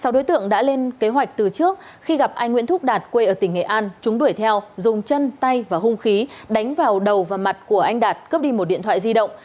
sáu đối tượng đã lên kế hoạch từ trước khi gặp anh nguyễn thúc đạt quê ở tỉnh nghệ an chúng đuổi theo dùng chân tay và hung khí đánh vào đầu và mặt của anh đạt cướp đi một điện thoại di động